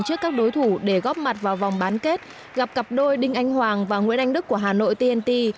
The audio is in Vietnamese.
trước các đối thủ để góp mặt vào vòng bán kết gặp cặp đôi đinh anh hoàng và nguyễn anh đức của hà nội tnt